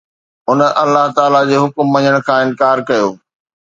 هن الله تعاليٰ جو حڪم مڃڻ کان انڪار ڪيو